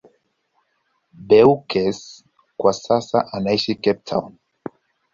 Beukes kwa sasa anaishi Cape Town.